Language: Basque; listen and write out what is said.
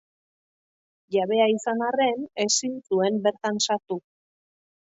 Jabea izan arren, ezin zuen bertan sartu.